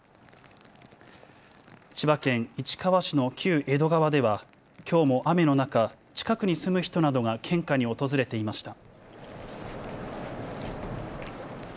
千葉県市川市の旧江戸川ではきょうも雨の中、近くに住む人などが献花に訪れていました。